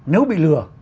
nếu bị lừa